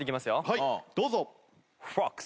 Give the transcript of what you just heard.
はいどうぞ。